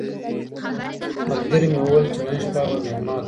ملګري مي وویل چي نن شپه به مېلمه درسم.